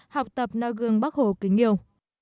học tập nâu gương bắc hồ kỳ nhiêu